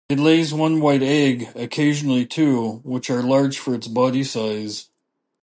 It lays one white egg, occasionally two, which are large for its body size.